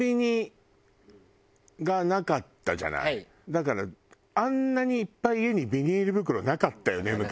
だからあんなにいっぱい家にビニール袋なかったよね昔。